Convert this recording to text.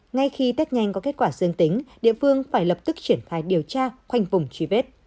ngay khi tết nhanh có kết quả dương tính địa phương phải lập tức triển khai điều tra khoanh vùng truy vết